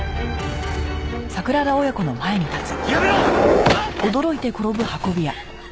やめろ！